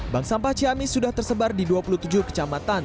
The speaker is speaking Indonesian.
bank sampah ciamis sudah tersebar di dua puluh tujuh kecamatan